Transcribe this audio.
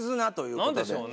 何でしょうね？